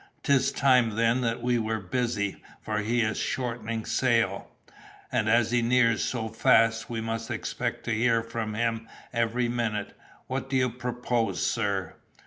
"'Tis time then that we were busy, for he is shortening sail; and as he nears so fast, we may expect to hear from him every minute; what do you propose, sir?"